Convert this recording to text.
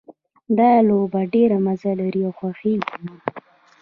دا لوبه ډېره مزه لري او خوښیږي مې